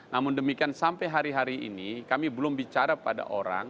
namun demikian sampai hari hari ini kami belum bicara pada orang